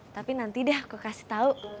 tapi nanti deh aku kasih tahu